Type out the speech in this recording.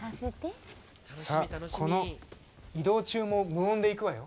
さあこの移動中も無音でいくわよ。